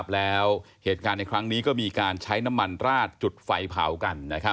แล้วเหตุการณ์ในครั้งนี้ก็มีการใช้น้ำมันราดจุดไฟเผากัน